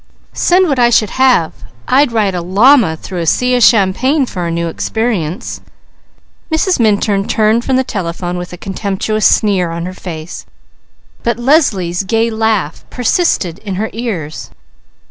"Send what I should have. I'd ride a llama through a sea of champagne for a new experience." Mrs. Minturn turned from the telephone with a contemptuous sneer on her face; but Leslie's gay laugh persisted in her ears.